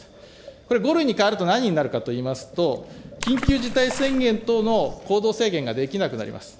これ、５類に変えると何が変わるかといいますと、緊急事態宣言等の行動制限ができなくなります。